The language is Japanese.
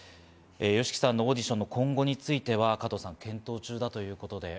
ＹＯＳＨＩＫＩさんのオーディションの今後については、検討中だということです。